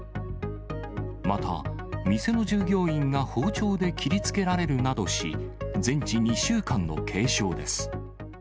また、店の従業員が包丁で切りつけられるなどし、全治２週間の軽傷です。